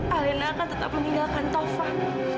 alena akan tetap meninggalkan tova